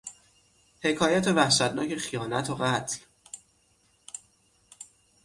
حکایت وحشتناک خیانت و قتل